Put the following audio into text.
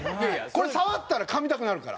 これ触ったらかみたくなるから。